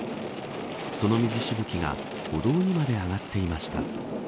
その水しぶきが歩道にまで上がってました。